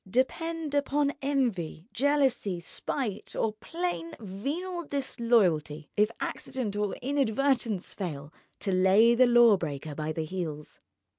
Depend upon envy, jealousy, spite, or plain venal disloyalty, if accident or inadvertence fail, to lay the law breaker by the heels.